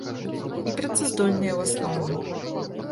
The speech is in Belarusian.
І працаздольныя ў асноўным.